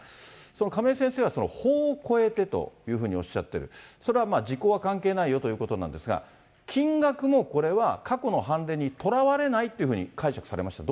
亀井先生は、法を超えてというふうにおっしゃってる、それは時効は関係ないよということなんですが、金額もこれは、過去の判例にとらわれないっていうふうに解釈されました？